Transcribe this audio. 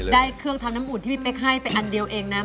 ได้เครื่องทำน้ำอุ่นที่พี่เป๊กให้ไปอันเดียวเองนะ